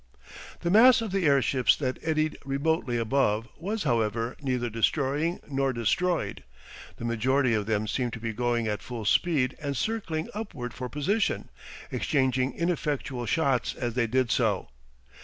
The mass of the airships that eddied remotely above was, however, neither destroying nor destroyed. The majority of them seemed to be going at full speed and circling upward for position, exchanging ineffectual shots as they did so.